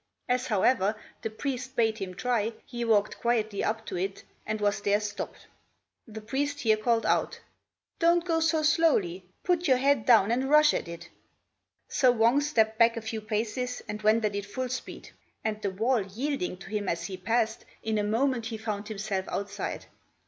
As, however, the priest bade him try, he walked quietly up to it and was there stopped. The priest here called out, "Don't go so slowly. Put your head down and rush at it." So Wang stepped back a few paces and went at it full speed; and the wall yielding to him as he passed, in a moment he found himself outside.